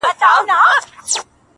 بيا به تاوان راکړې د زړگي گلي،